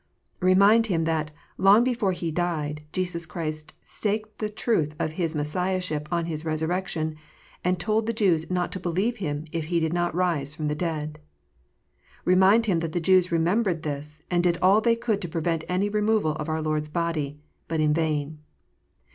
Remind him that, long before He died, Jesus Christ staked the truth of His Messiahship on His resurrection, and told the Jews not to believe Him if He did not rise from the dead. Remind him that the Jews remembered this, and did all they could to prevent any removal of our Lord s body, but in vain.